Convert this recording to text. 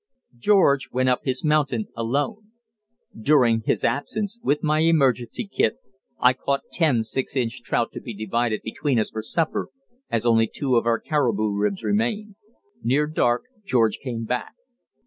George went up his mountain alone. During his absence, with my emergency kit, I caught ten six inch trout to be divided between us for supper, as only two of our caribou ribs remained. Near dark George came back.